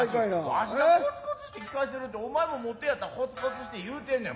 わしがコツコツして聞かせてるお前も持ってるんやったらコツコツして言うてんねん。